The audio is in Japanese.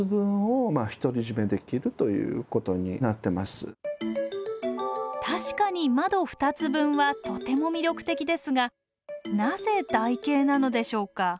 しかも確かに窓２つ分はとても魅力的ですがなぜ台形なのでしょうか？